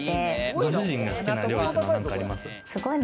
ご主人が好きな料理ってあります？